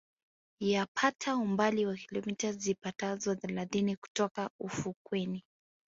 Yapata umbali wa kilomita zipatazo thelathini kutoka ufukweni